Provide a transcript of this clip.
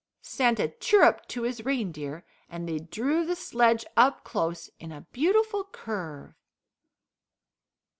Santa chirruped to his reindeer, and they drew the sledge up close in a beautiful curve.